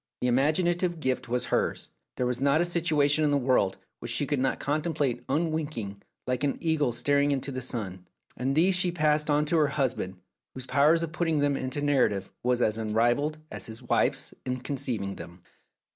The imaginative gift was hers; there was not a situation in the world which she could not contemplate un winking, like an eagle staring into the sun, and these she passed on to her husband, whose power of put ting them into narrative was as unrivalled as his wife's in conceiving them.